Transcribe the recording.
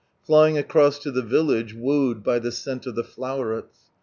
Flying uroM lo the village, wooed by the tccnl of the flowerets.